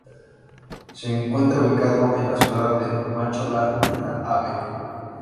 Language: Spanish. Se encuentra ubicado en la ciudad de Machala, en la Av.